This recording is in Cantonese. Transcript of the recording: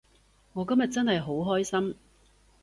我今日真係好開心